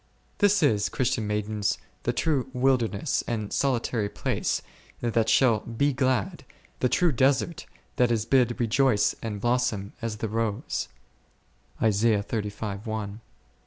This is, Christian maidens, the true wilderness and solitary place that shall be glad, the true desert that is bid rejoice and blossom as the rose?.